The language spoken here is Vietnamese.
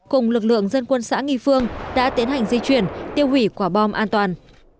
cùng lực lượng dân quân xã nghi phương đã tiến hành di chuyển tiêu hủy quả bom an toàn